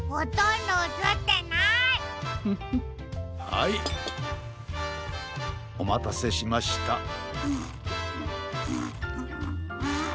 はいおまたせしました。んんん。